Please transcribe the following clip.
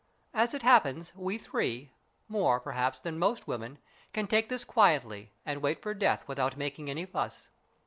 As it happens, we three, more, perhaps, than most women, can take this quietly and wait for death without making any fuss."